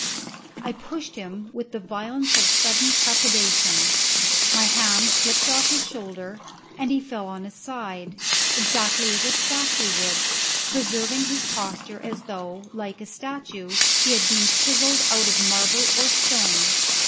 I pushed him with the violence of sudden trepidation; my hand slipped off his shoulder, and he fell on his side, exactly as a statue would, preserving his posture as though, like a statue, he had been chiselled out of marble or stone.